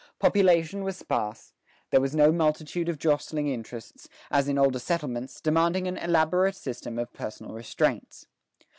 Population was sparse, there was no multitude of jostling interests, as in older settlements, demanding an elaborate system of personal restraints.